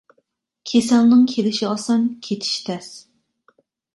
كېسەلنىڭ كېلىشى ئاسان، كېتىشى تەس.